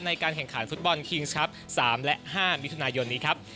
ในการแข่งขันฟุตบอลคิงส์ครับ๓และ๕มิถุนายนนี้ครับ